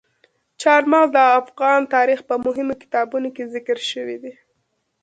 چار مغز د افغان تاریخ په مهمو کتابونو کې ذکر شوي دي.